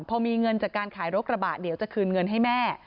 พอมีเงินจากการขายรถกระบะเดี๋ยวจะคืนเงินให้แม่